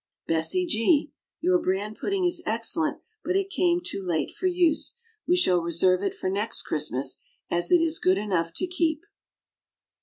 BESSIE G. Your "Bran Pudding" is excellent, but it came too late for use. We shall reserve it for next Christmas, as it is good enough to keep.